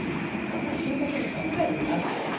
そんな深刻に考えんなって。